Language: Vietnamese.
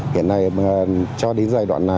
hiện nay cho đến giai đoạn này